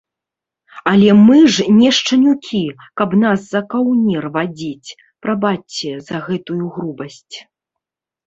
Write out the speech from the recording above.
Але мы ж не шчанюкі, каб нас за каўнер вадзіць, прабачце, за гэтую грубасць.